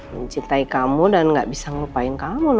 mencintai kamu dan gak bisa ngelupain kamu